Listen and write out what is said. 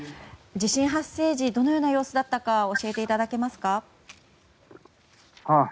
地震発生時どのような様子だったか教えていただけますか？